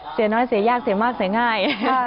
เสียน้อยเสียยากเสียมากเสียง่าย